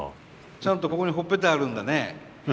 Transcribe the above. ちゃんとここにほっぺたあるんだね。